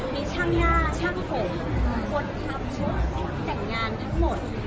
มีช่างหน้าช่างผมคนทำชุดแต่งงานทั้งหมด